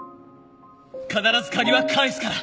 必ず借りは返すから！